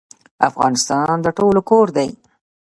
افغانستان د ټولو کور دی